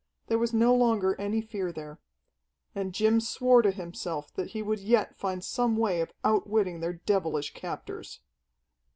There was no longer any fear there. And Jim swore to himself that he would yet find some way of outwitting their devilish captors.